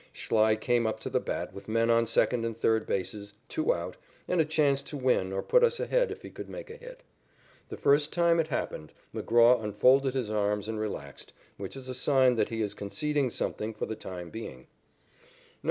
Schlei came up to the bat with men on second and third bases, two out, and a chance to win or put us ahead if he could make a hit. The first time it happened, McGraw unfolded his arms and relaxed, which is a sign that he is conceding something for the time being.